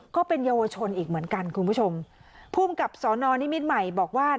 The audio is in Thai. ก็เป็นเยาวชนอีกเหมือนกันคุณผู้ชมภูมิกับสอนอนิมิตรใหม่บอกว่า